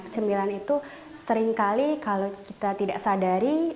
cemilan itu seringkali kalau kita tidak sadari